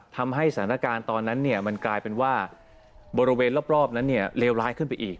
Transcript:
ทำให้สถานการณ์ตอนนั้นมันกลายเป็นว่าบริเวณรอบนั้นเลวร้ายขึ้นไปอีก